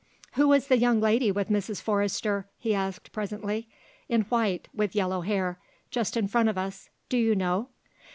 "Who is the young lady with Mrs. Forrester?" he asked presently. "In white, with yellow hair. Just in front of us. Do you know?"